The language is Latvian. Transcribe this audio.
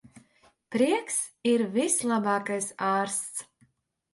Prieks ir vislabākais ārsts.